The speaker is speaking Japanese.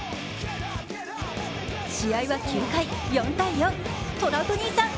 試合は９回、４−４トラウト兄さん